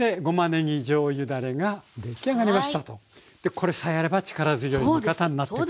これさえあれば力強い味方になってくれる。